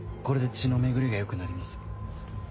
これで血の巡りが良くなります。